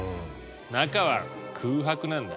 中は空白なんだ。